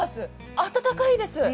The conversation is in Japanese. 温かいです。